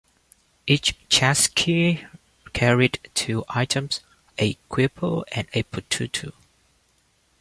Each "chasqui" carried two items, a quipu and a pututu.